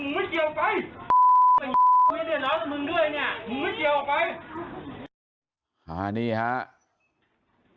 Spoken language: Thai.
มันเหลือแล้วมึงด้วยมึงไม่เจียวออกไป